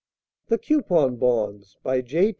THE COUPON BONDS BY J.